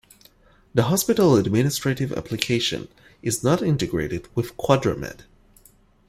The hospital administrative application is not integrated with QuadraMed.